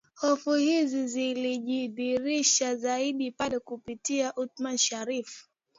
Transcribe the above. Hofu hizi zilijidhihirisha zaidi pale kupitia Othman Sharrif